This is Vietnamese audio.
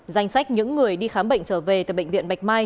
danh sách những người đi khám bệnh trở về từ bệnh viện bạch mai